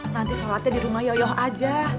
nanti sholatnya di rumah yoyo aja